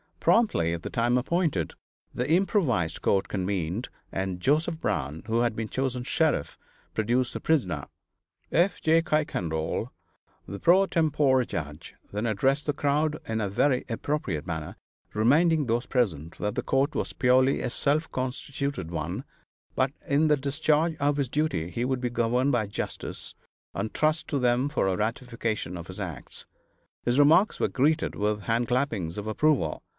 Promptly at the time appointed, the improvised court convened, and Joseph Brown, who had been chosen sheriff, produced the prisoner. F. J. Kuykendall, the pro tempore judge, then addressed the crowd in a very appropriate manner, reminding those present that the court was purely a self constituted one, but that in the discharge of his duty he would be governed by justice, and trust to them for a ratification of his acts. His remarks were greeted with hand clappings of approval.